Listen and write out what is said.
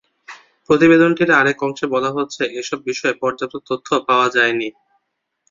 প্রতিবেদনটির আরেক অংশে বলা হচ্ছে, এসব বিষয়ে পর্যাপ্ত তথ্য পাওয়া যায়নি।